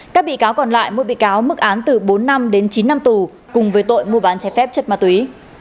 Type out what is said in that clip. các bị cáo còn lại mỗi bị cáo mức án từ bốn năm đến chín năm tù cùng với tội mua bán trái phép chất ma túy